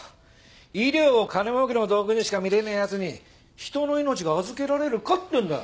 医療を金儲けの道具にしか見れねえ奴に人の命が預けられるかってんだよ。